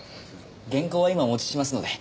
原稿は今お持ちしますので。